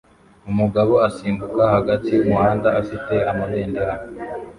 Umugabo usimbuka hagati yumuhanda afite amabendera